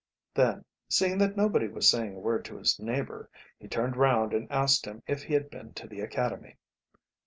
Then, seeing that nobody was saying a word to his neighbour, he turned round and asked him if he had been to the Academy.